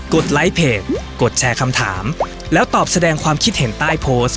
ดไลค์เพจกดแชร์คำถามแล้วตอบแสดงความคิดเห็นใต้โพสต์